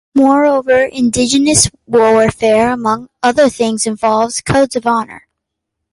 Moreover, indigenous warfare, among other things, involves codes of honor.